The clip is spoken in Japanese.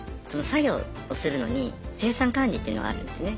作業をするのに生産管理っていうのがあるんですね